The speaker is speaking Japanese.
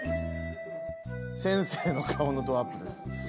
先生の顔のドアップです。